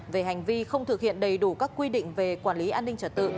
về hành vi không thực hiện đầy đủ các quy định về quản lý an ninh trật tự